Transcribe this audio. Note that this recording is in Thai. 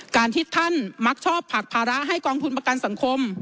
การที่ท่านมักชอบผลักภาระให้กองทุนประกันสังคม